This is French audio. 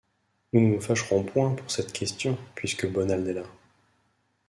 Nous ne nous fâcherons point pour cette question, puisque Bonald est là.